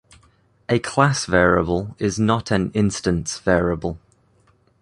A class variable is not an instance variable.